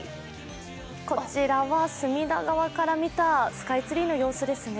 こちらは、隅田川から見たスカイツリーの様子ですね。